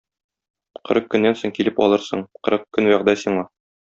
Кырык көннән соң килеп алырсың, кырык көн вәгъдә сиңа.